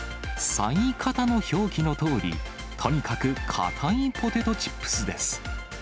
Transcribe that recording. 最堅の表記のとおり、とにかくかたいポテトチップスです。